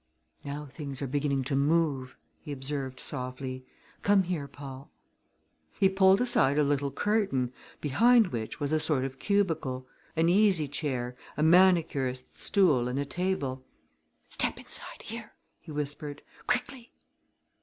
"Now things are beginning to move," he observed softly. "Come here, Paul!" He pulled aside a little curtain behind which was a sort of cubicle an easy chair, a manicurist's stool and a table. "Step inside here," he whispered; "quickly!"